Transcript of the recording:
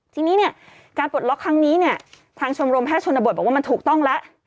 จริงการปลดล็อคครั้งนี้เนี่ยทางชนโรมแพทย์ชนบทบอกว่ามันถูกต้องละ